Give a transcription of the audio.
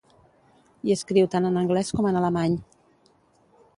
Hi escriu tant en anglès com en alemany.